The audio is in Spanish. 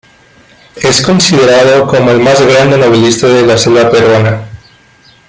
Es considerado como el más grande novelista de la selva peruana.